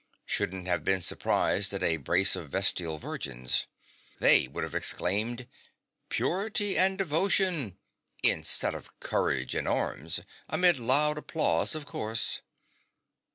Shouldn't have been surprised at a brace of vestal virgins. They would have exclaimed, " Purity and devo tion," instead of " Courage and arms," amid loud applause, of course.